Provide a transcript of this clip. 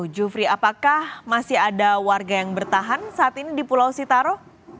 jufri apakah masih ada warga yang bertahan saat ini di pulau sitaro